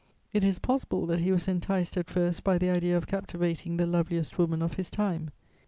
It is possible that he was enticed at first by the idea of captivating the loveliest woman of his time.